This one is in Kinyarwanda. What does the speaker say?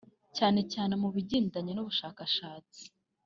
cyane cyane mu bigendanye n’ubushashakashi